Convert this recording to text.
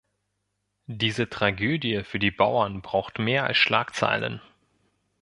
Diese Tragödie für die Bauern braucht mehr als Schlagzeilen.